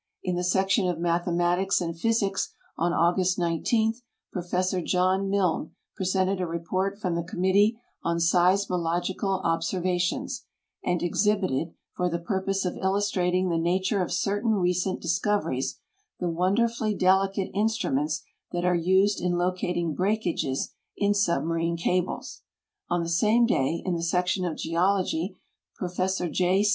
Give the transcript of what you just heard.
In the Section of Mathematics and Physics, on August 19, Prof. John Milne presented a report from the Committee on Seismological Observations, and exhibited, for the purpose of illustrating the nature of certain recent discoveries, tlie wonder fully delicate instruments that are used in locating breakages in submarine cables. On the same day, in the Section of Geology, Prof. J.